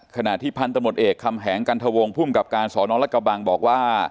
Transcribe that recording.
ขณะที่พันธุ์ตมติเอกคำแหงกันทวงพุ่มกับการสอนรกบังบอกว่า